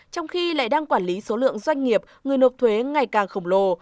trong khi lại đang quản lý số lượng doanh nghiệp người nộp thuế ngày càng khổng lồ